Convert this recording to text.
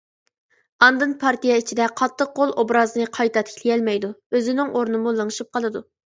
ئاندىن پارتىيە ئىچىدە قاتتىق قول ئوبرازىنى قايتا تىكلىيەلمەيدۇ، ئۆزىنىڭ ئورنىمۇ لىڭشىپ قالىدۇ.